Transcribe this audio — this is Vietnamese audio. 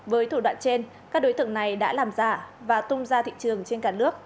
với thủ đoạn trên các đối tượng này đã làm giả và tung ra thị trường trên cả nước